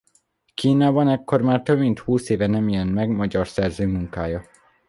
Kínában ekkor már több mint húsz éve nem jelent meg magyar szerző munkája.